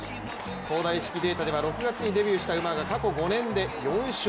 東大式データでは、６月にデビューした馬が、過去５年で４勝。